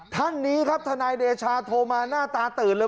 ท่านนี้ครับทนายเดชาโทรมาหน้าตาตื่นเลย